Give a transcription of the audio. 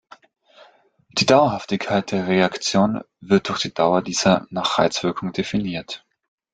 Die Dauerhaftigkeit der Reaktion wird durch die Dauer dieser nach Reizwirkung definiert.